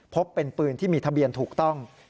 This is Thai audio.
พบเป็นปืนที่มีทะเบียนถูกต้อง